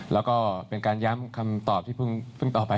แล้วก็เป็นการย้ำคำตอบที่เพิ่งต่อไป